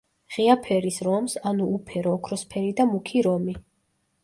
ღია ფერის რომს, ანუ უფერო, ოქროსფერი და მუქი რომი.